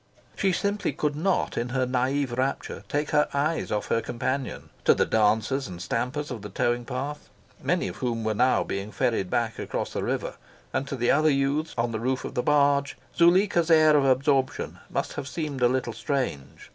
She simply could not, in her naive rapture, take her eyes off her companion. To the dancers and stampers of the towing path, many of whom were now being ferried back across the river, and to the other youths on the roof of the barge, Zuleika's air of absorption must have seemed a little strange.